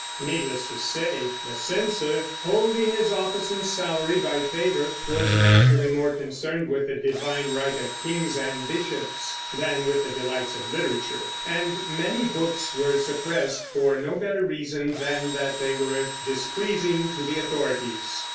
Needless to say, the censor, holding his office and salary by favor, was naturally more concerned with the divine right of kings and bishops than with the delights of literature, and many books were suppressed for no better reason than that they were displeasing to the authorities.